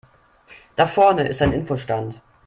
Da vorne ist ein Info-Stand.